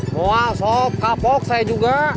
wah sok kapok saya juga